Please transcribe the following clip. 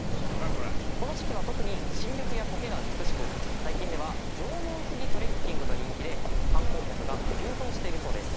この時期は特に新緑やコケが美しく最近では縄文杉トレッキングが人気で観光客が急増しているそうです。